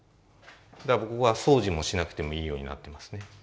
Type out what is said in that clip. だからここは掃除もしなくてもいいようになってますね。